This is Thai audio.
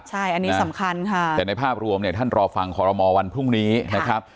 ใช่อันนี้สำคัญค่ะแต่ในภาพรวมเนี่ยท่านรอฟังคอรมอลวันพรุ่งนี้นะครับ